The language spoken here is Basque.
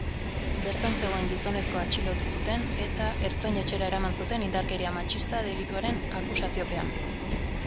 Bertan zegoen gizonezkoa atxilotu zuten eta ertzainetxera eraman zuten indarkeria matxista delituaren akusaziopean.